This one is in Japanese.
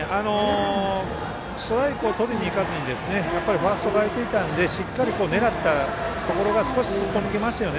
ストライクをとりにいかずにファーストが空いていたのでしっかり狙ったところが少し、すっぽ抜けましたよね。